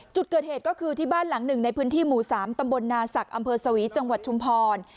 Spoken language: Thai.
จุดเกิดเหตุก็คือที่บ้านหลังหนึ่งในพื้นที่หมู่๓ตำบลนาศักดิ์อำเภอสวีจังหวัดชุมพร